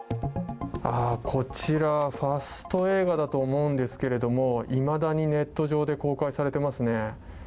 こちら、ファスト映画だと思うんですけれどもいまだにネット上で公開されていますね。